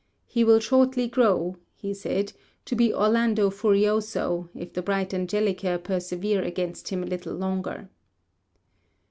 'He will shortly grow,' he said, 'to be Orlando Furioso, if the bright Angelica persevere against him a little longer.'